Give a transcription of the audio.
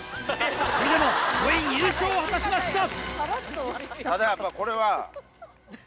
それでも５位入賞を果たしました。